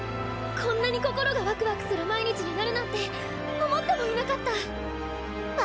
こんなに心がワクワクする毎日になるなんて思ってもいなかった。